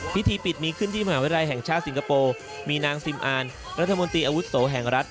พิธีปิดมีขึ้นที่มหาวิทยาลัยแห่งชาติสิงคโปร์มีนางซิมอาร์นรัฐมนตรีอาวุโสแห่งรัฐ